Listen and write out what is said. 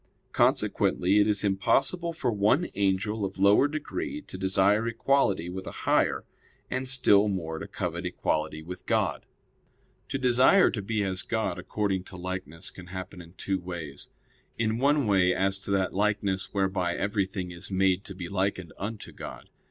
Consequently it is impossible for one angel of lower degree to desire equality with a higher; and still more to covet equality with God. To desire to be as God according to likeness can happen in two ways. In one way, as to that likeness whereby everything is made to be likened unto God.